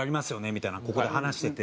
みたいなここで話してて。